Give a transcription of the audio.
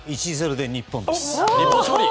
１−０で日本勝利です。